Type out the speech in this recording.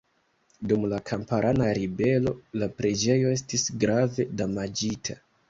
Dum la Kamparana ribelo la preĝejo estis grave damaĝita.